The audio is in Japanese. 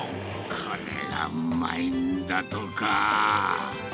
これがうまいんだとか。